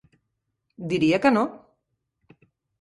Diria que no!